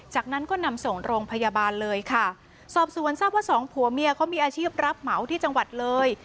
จากนั้นก็นำส่งโรงพยาบาลเลยค่ะสอบสวนทราบว่าสองผัวเมียเขามีอาชีพรับเหมาที่จังหวัดเลย